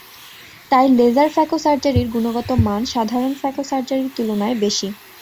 তাই laser phaco সার্জারির গুণগত মান সাধারণ ফ্যাকো সার্জারির তুলনায় বেশি।